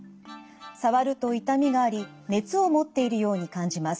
触ると痛みがあり熱を持っているように感じます。